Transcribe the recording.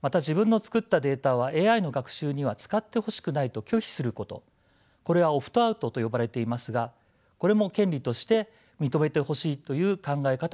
また自分の作ったデータはＡＩの学習には使ってほしくないと拒否することこれはオプトアウトと呼ばれていますがこれも権利として認めてほしいという考え方もあると思います。